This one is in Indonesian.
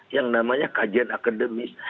yang namanya kajian akademis